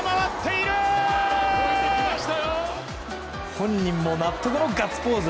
本人も納得のガッツポーズ！